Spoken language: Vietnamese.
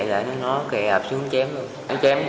trork mà dùng để